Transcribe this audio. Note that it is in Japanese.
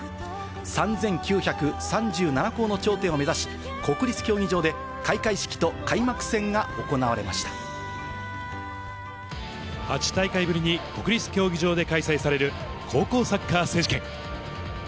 ３９３７校の頂点を目指し、国立競技場で開会式と開幕戦が行８大会ぶりに国立競技場で開催される、高校サッカー選手権。